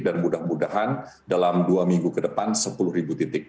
dan mudah mudahan dalam dua minggu ke depan sepuluh titik